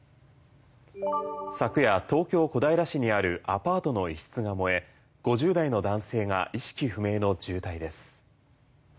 昨夜、東京・小平市にあるアパートの一室が燃え５０代の男性が意識不明の重体です。